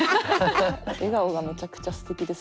笑顔がむちゃくちゃすてきです。